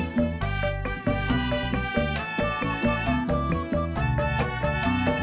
kupade tas ter pearl